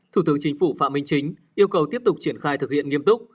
thủ tướng chính phủ phạm minh chính yêu cầu tiếp tục triển khai thực hiện nghiêm túc